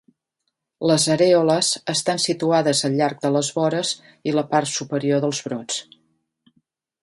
Les arèoles estan situades al llarg de les vores i la part superior dels brots.